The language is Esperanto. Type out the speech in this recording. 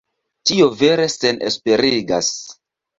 Tio vere senesperigas.